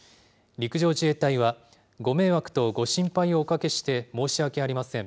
陸上自衛隊は、ご迷惑とご心配をおかけして申し訳ありません。